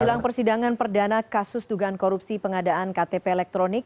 jelang persidangan perdana kasus dugaan korupsi pengadaan ktp elektronik